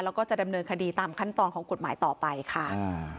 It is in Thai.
แล้วก็จะดำเนินคดีตามขั้นตอนของกฎหมายต่อไปค่ะ